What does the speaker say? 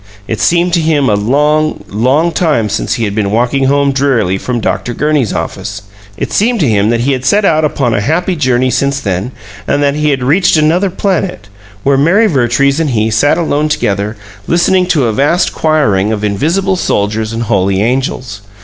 It seemed to him a long, long time since he had been walking home drearily from Dr. Gurney's office; it seemed to him that he had set out upon a happy journey since then, and that he had reached another planet, where Mary Vertrees and he sat alone together listening to a vast choiring of invisible soldiers and holy angels.